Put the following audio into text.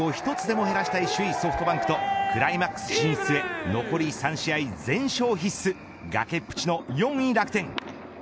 自力でマジックを１つでも減らしたい首位ソフトバンクとクライマックス進出へ残り３試合全勝必須崖っぷちの４位、楽天。